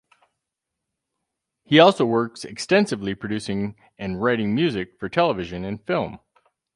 He also works extensively producing and writing music for television and film.